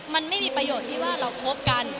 มันไม่มีประโยชน์ที่ว่าเราคบกัน